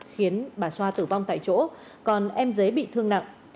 khiến bà xoa tử vong tại chỗ còn em giấy bị thương nặng